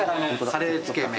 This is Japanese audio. カレーつけ麺。